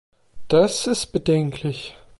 Das ist bedenklich!